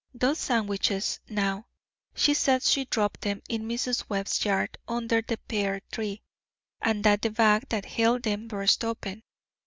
Those sandwiches, now. She says she dropped them in Mrs. Webb's yard under the pear tree, and that the bag that held them burst open.